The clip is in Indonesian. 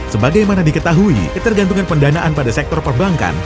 sebagaimana diketahui ketergantungan pendanaan pada sektor perbankan